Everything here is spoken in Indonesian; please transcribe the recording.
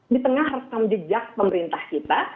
di tengah rekam jejak pemerintah kita